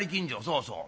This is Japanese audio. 「そうそう。